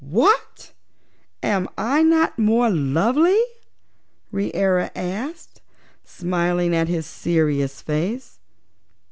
"What! Am I not more lovely?" Reera asked, smiling at his serious face.